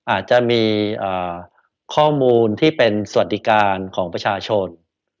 อาจจะมีข้อมูลที่เป็นสวัสดิการของประชาชน